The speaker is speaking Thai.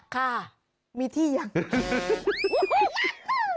ค่ะมีที่ยัง